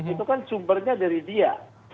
itu kan sumbernya dari dia